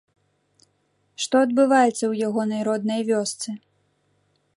Што адбываецца ў ягонай роднай вёсцы?